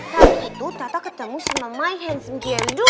tadi itu tata ketemu sama my handsome gendo